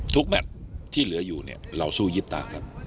แมทที่เหลืออยู่เนี่ยเราสู้ยิบตาครับ